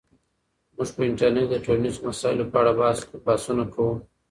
موږ په انټرنیټ کې د ټولنیزو مسایلو په اړه بحثونه کوو.